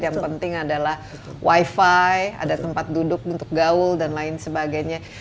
yang penting adalah wifi ada tempat duduk untuk gaul dan lain sebagainya